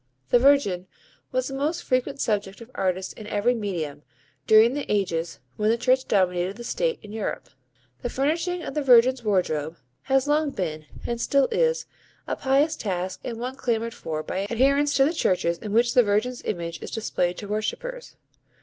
The Virgin was the most frequent subject of artists in every medium, during the ages when the Church dominated the State in Europe. The refurnishing of the Virgin's wardrobe has long been and still is, a pious task and one clamoured for by adherents to the churches in which the Virgin's image is displayed to worshippers.